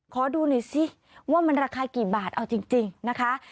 ขอดูหน่อยซิว่ามันราคากี่บาทเอาจริงนะคะ